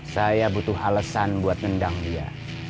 saya butuh alesan buat nendang dia